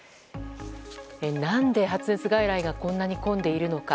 何で発熱外来がこんなに混んでいるのか。